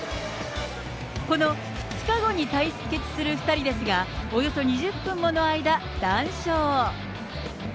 この２日後に対決する２人ですが、およそ２０分もの間、談笑。